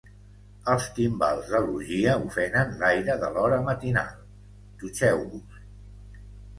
Els timbals de l’orgia ofenen l’aire de l’hora matinal. Dutxeu-vos!